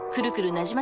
なじま